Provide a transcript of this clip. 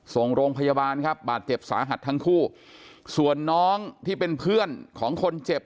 ส่งโรงพยาบาลครับบาดเจ็บสาหัสทั้งคู่ส่วนน้องที่เป็นเพื่อนของคนเจ็บ